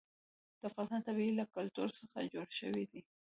د افغانستان طبیعت له کلتور څخه جوړ شوی دی.